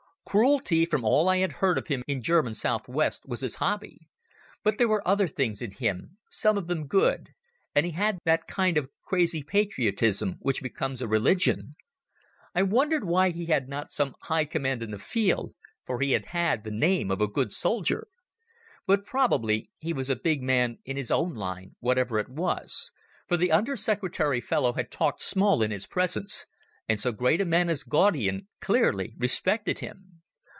Cruelty, from all I had heard of him in German South West, was his hobby; but there were other things in him, some of them good, and he had that kind of crazy patriotism which becomes a religion. I wondered why he had not some high command in the field, for he had had the name of a good soldier. But probably he was a big man in his own line, whatever it was, for the Under Secretary fellow had talked small in his presence, and so great a man as Gaudian clearly respected him.